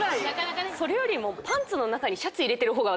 それよりも。